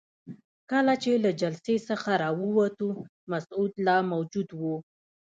کله چې له جلسې څخه راووتو مسعود لا موجود وو.